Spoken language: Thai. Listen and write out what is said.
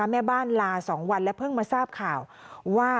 แม่บ้านลา๒วันและเพิ่งมาทราบข่าวว่า